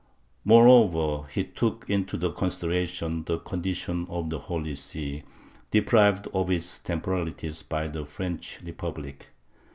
Moreover he took into consideration the condition of the Holy See, deprived of its temporalities by the French Repub lic.